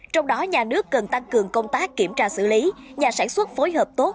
trong đó nhà nước cần tăng cường công tác kiểm tra xử lý nhà sản xuất phối hợp tốt